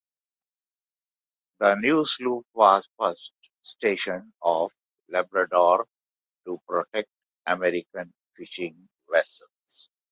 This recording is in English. The new sloop was first stationed off Labrador to protect American fishing vessels.